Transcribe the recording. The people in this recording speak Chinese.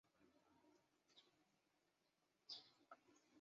格拉茨附近圣拉德贡德是奥地利施蒂利亚州格拉茨城郊县的一个市镇。